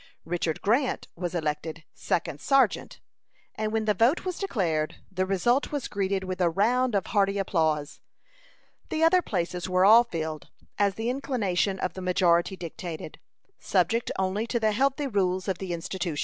Richard Grant was elected second sergeant, and when the vote was declared, the result was greeted with a round of hearty applause. The other places were all filled, as the inclination of the majority dictated, subject only to the healthy rules of the Institute.